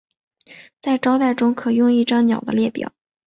在招待中可用一张鸟的列表。